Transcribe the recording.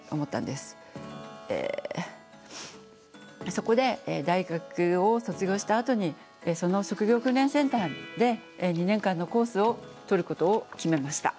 そこで大学を卒業したあとにその職業訓練センターで２年間のコースを取ることを決めました。